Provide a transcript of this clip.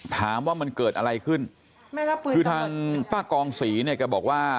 ถามว่ามันเกิดอะไรขึ้นคือทางป้ากองศรีเนี่ยแกบอกว่า